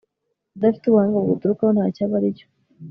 udafite ubuhanga buguturukaho, nta cyo aba ari cyo